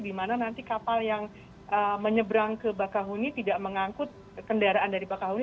di mana nanti kapal yang menyeberang ke bakahuni tidak mengangkut kendaraan dari bakahuni